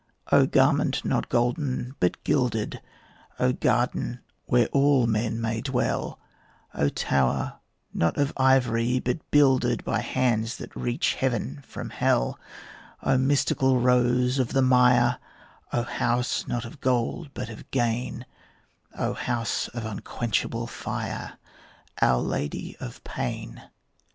O garment not golden but gilded, O garden where all men may dwell, O tower not of ivory, but builded By hands that reach heaven from hell; O mystical rose of the mire, O house not of gold but of gain, O house of unquenchable fire, Our Lady of Pain!